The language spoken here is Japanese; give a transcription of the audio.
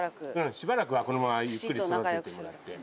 しばらくはこのままゆっくり育ててもらって。